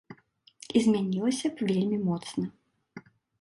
І змянілася б вельмі моцна.